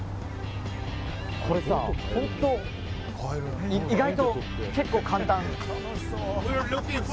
これさ本当、意外と結構簡単。